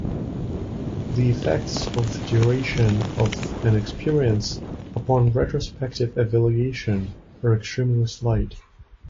The effects of the duration of an experience upon retrospective evaluation are extremely slight.